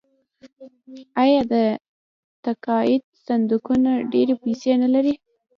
آیا د تقاعد صندوقونه ډیرې پیسې نلري؟